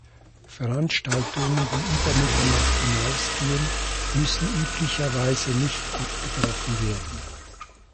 Veranstaltungen, die über Mitternacht hinaus gehen, müssen üblicherweise nicht abgebrochen werden.